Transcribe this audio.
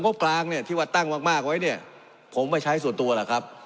งบกลางเนี้ยที่วัดตั้งมากมากไว้เนี้ยผมไม่ใช้ส่วนตัวหรอกครับ